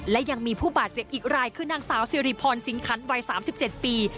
และยังมีผู้บาดเจ็บอีกรายคือนางสาวสิริพรสิงคันวัย๓๗ปี